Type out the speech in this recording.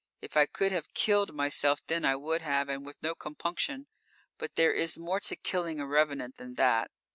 If I could have killed myself then, I would have, and with no compunction. But there is more to killing a revenant than that.